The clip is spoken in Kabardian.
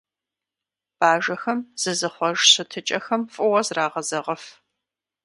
Бажэхэм зызыхъуэж щытыкӏэхэм фӀыуэ зрагъэзэгъыф.